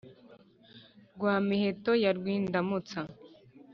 rwa miheto ya rwindamutsa,